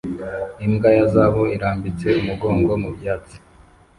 Imbwa ya zahabu irambitse umugongo mu byatsi